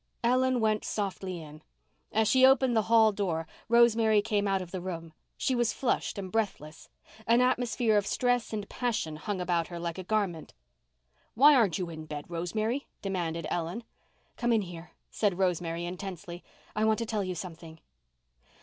Ellen went softly in. As she opened the hall door Rosemary came out of the room. She was flushed and breathless. An atmosphere of stress and passion hung about her like a garment. "Why aren't you in bed, Rosemary?" demanded Ellen. "Come in here," said Rosemary intensely. "I want to tell you something."